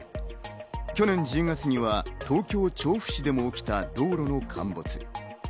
去年１０月には東京・調布市でも起きた道路の陥没。